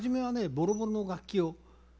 ボロボロの楽器を。